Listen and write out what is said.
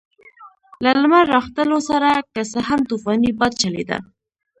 له لمر راختلو سره که څه هم طوفاني باد چلېده.